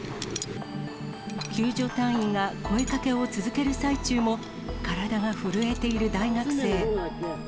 救助隊員が声掛けを続ける最中も、体が震えている大学生。